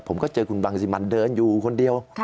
ผมก็เจอคุณบังสิมันเดินอยู่คนเดียว